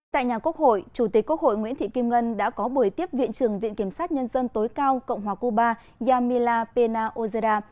tại nhà quốc hội chủ tịch quốc hội nguyễn thị kim ngân đã có buổi tiếp viện trưởng viện kiểm sát nhân dân tối cao cộng hòa cuba yamila pena ozeda